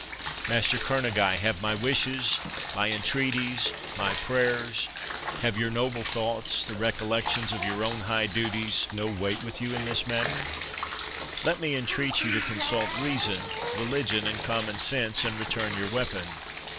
—Master Kerneguy, have my wishes, my entreaties, my prayers—have your noble thoughts—the recollections of your own high duties, no weight with you in this matter? Let me entreat you to consult reason, religion, and common sense, and return your weapon."